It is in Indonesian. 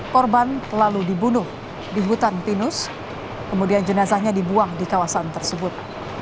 korban lalu dibunuh di hutan pinus kemudian jenazahnya dibuang di kawasan tersebut